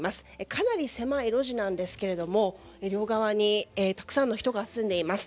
かなり狭い路地なんですけれども両側にたくさんの人が住んでいます。